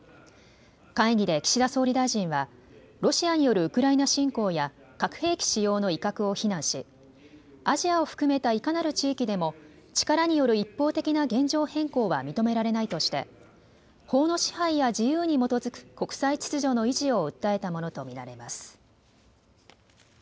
会議で岸田総理大臣はロシアによるウクライナ侵攻や核兵器使用の威嚇を非難しアジアを含めたいかなる地域でも力による一方的な現状変更は認められないとして法の支配や自由に基づく国際秩序の維持を訴えたものと見られます。